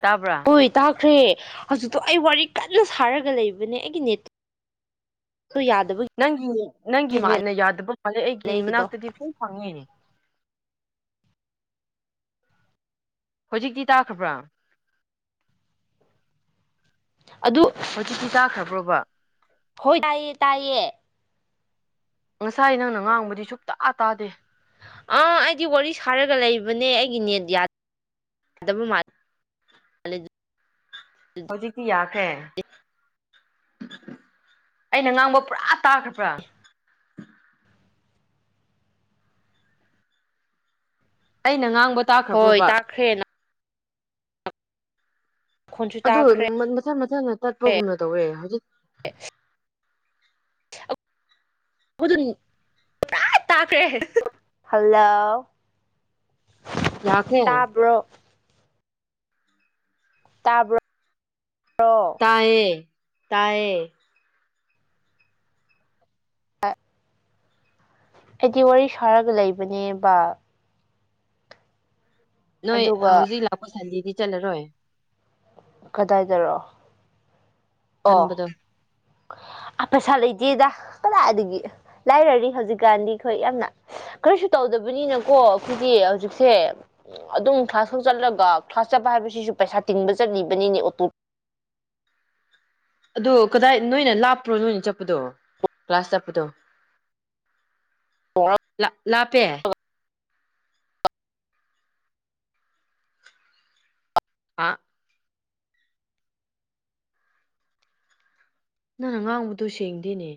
ꯇꯥꯕ꯭ꯔꯥ ꯈ꯭ꯔꯦ ꯍꯧꯖꯤꯛꯇꯣ ꯑꯩ ꯋꯥꯔꯤ ꯀꯟꯅ ꯁꯥꯔꯒ ꯂꯩꯕꯅꯦ ꯑꯩꯒꯤ ꯅꯦꯠꯇ ꯅꯪꯒꯤ ꯅꯪꯒꯤ ꯅꯦꯠꯅ ꯌꯥꯗꯕ ꯃꯥꯜꯂꯦ ꯑꯩꯒꯤ ꯑꯩꯒꯤꯗꯣ ꯃꯅꯥꯛꯇꯗꯤ ꯐꯂꯝ ꯐꯪꯉꯤꯅꯦ ꯍꯧꯖꯤꯛꯇꯤ ꯇꯥꯈ꯭ꯔꯕ꯭ꯔꯥ ꯑꯗꯨ ꯍꯧꯖꯤꯛꯇꯤ ꯇꯥꯈ꯭ꯔꯕ꯭ꯔꯣꯕ ꯍꯣꯏ ꯇꯥꯏꯌꯦ ꯇꯥꯏꯌꯦ ꯉꯁꯥꯏ ꯅꯪꯅ ꯉꯥꯡꯕꯗꯤ ꯁꯨꯡꯇꯥ ꯇꯥꯗꯦ ꯑꯥ ꯑꯩꯗꯤ ꯋꯥꯔꯤ ꯁꯥꯔꯒ ꯂꯩꯕꯅꯦ ꯑꯩꯒꯤ ꯅꯦꯠ ꯌꯥꯗꯕ ꯃꯥꯂꯦ ꯍꯧꯖꯤꯛ ꯀꯤ ꯌꯥ ꯑꯩꯅ ꯉꯥꯡꯕ ꯄꯨꯔꯥ ꯇꯥꯒꯄ꯭ꯔꯥ ꯑꯩꯩꯅꯉꯥꯡ ꯍꯣꯏ ꯇꯥꯈ꯭ꯔꯦꯅ ꯅꯈꯣꯟꯁꯨ ꯑꯗꯨ ꯇꯥꯈ꯭ꯔꯦ ꯃꯊꯪ ꯃꯊꯪ ꯇꯠꯄꯒꯨꯝꯅ ꯇꯧꯋꯦ ꯍꯧꯖꯤꯛ ꯥꯏ ꯇꯥꯛꯈ꯭ꯔꯦ ꯍꯜꯂꯥꯎ ꯌꯥꯈ꯭ꯔꯦ ꯇꯥꯕ꯭ꯔꯣ ꯇꯥꯕ꯭ꯔ ꯇꯌꯦ ꯇꯌꯦ ꯑ ꯑꯩꯗꯤ ꯋꯥꯔꯤ ꯁꯥꯔꯒ ꯂꯩꯕꯅꯦꯕ ꯅꯣꯏ ꯑꯗꯨꯒ ꯍꯧꯖꯤꯛ ꯂꯥꯛꯄꯁꯗꯤ ꯆꯂꯔꯑꯦ ꯀꯗꯥꯏꯗꯔꯣ ꯑꯣ ꯈꯟꯕꯗꯣ ꯑꯐꯁ ꯂꯩꯩ ꯏꯆꯦꯗ ꯀꯗꯥꯗꯒꯤ ꯂꯥꯏꯔꯔꯤ ꯍꯧꯖꯤꯛꯀꯥꯟꯗꯤ ꯑꯩꯈꯣꯏ ꯌꯥꯝꯅ ꯀꯔꯤꯁꯨ ꯇꯧꯗꯕꯅꯤꯅꯀꯣ ꯑꯩꯈꯣꯏꯒꯤ ꯍꯧꯖꯤꯛꯁꯦ ꯑꯗꯨꯝ ꯀ꯭ꯂꯥꯁ ꯍꯧ ꯆꯜꯂꯒ ꯀ꯭ꯂꯥꯁ ꯆꯠꯄ ꯍꯥꯏꯕꯁꯤꯁꯨ ꯄꯩꯁꯥ ꯇꯤꯡꯕ ꯆꯠꯂꯤꯕꯅꯤꯅꯦ ꯑꯣꯇꯣ ꯑꯗꯨ ꯀꯗꯥꯏ ꯅꯣꯏꯅ ꯂꯥꯞꯄ꯭ꯔꯣ ꯅꯣꯏꯅ ꯆꯠꯄꯗꯣ ꯀ꯭ꯂꯥꯁ ꯆꯠꯄꯗꯣ ꯇꯣꯡꯉ ꯂꯥꯞꯄꯦ ꯑ ꯅꯪꯅ ꯉꯥꯡꯕꯗꯨ ꯁꯦꯡꯗꯦꯅꯦ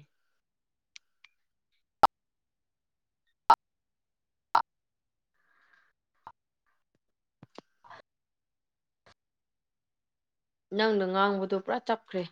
ꯅꯪꯅ ꯉꯥꯡꯕꯗꯣ ꯄꯨꯔꯥ ꯆꯞꯈ꯭ꯔꯦ